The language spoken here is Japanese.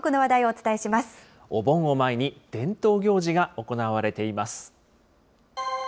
お盆を前に、伝統行事が行われています。